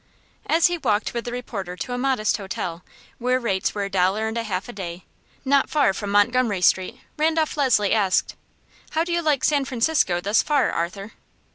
As he walked with the reporter to a modest hotel, where the rates were a dollar and a half a day, not far from Montgomery Street, Randolph Leslie asked: "How do you like San Francisco thus far, Arthur?"